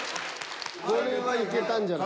これはいけたんじゃない？